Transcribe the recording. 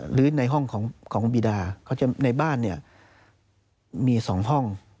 หรือในห้องของบีดาในบ้านเนี่ยมี๒ห้อง